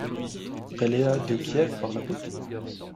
Elle est à de Kiev par la route.